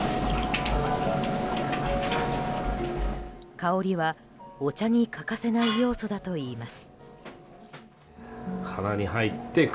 香りは、お茶に欠かせない要素だといいます。